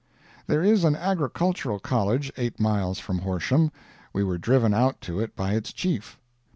There is an agricultural college eight miles from Horsham. We were driven out to it by its chief.